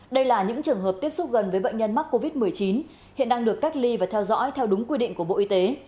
đây là những trường hợp tiếp xúc gần với bệnh nhân mắc covid một mươi chín hiện đang được cách ly và theo dõi theo đúng quy định của bộ y tế